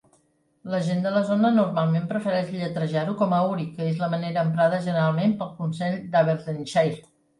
La gent de la zona normalment prefereix lletrejar-ho com a "Ury", que és la manera emprada generalment pel consell d'Aberdeenshire.